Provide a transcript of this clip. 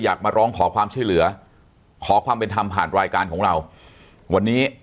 มาร้องขอความช่วยเหลือขอความเป็นธรรมผ่านรายการของเราวันนี้